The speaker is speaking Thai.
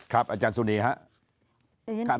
ครับอาจารย์สุดีครับ